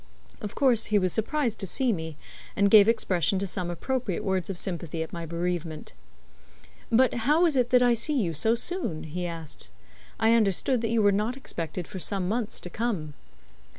Of course he was surprised to see me, and gave expression to some appropriate words of sympathy at my bereavement. "But how is it that I see you so soon?" he asked "I understood that you were not expected for some months to come."